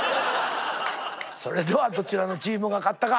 それではどちらのチームが勝ったか。